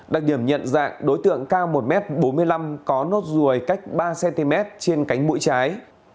đặc điểm nhận dạng đối tượng cao một m bốn mươi năm có nốt ruồi cách ba cm trên cánh mũi trái